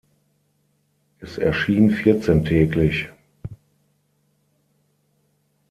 Es erschien vierzehntäglich.